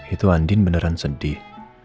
itu andien beneran sedih